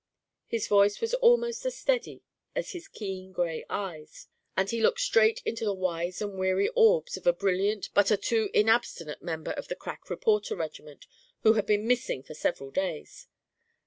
His voice was almost as steady as his keen grey eyes, and he looked straight into the wise and weary orbs of a brilliant but too inabstinent member of the crack reporter regiment who had been missing for several days.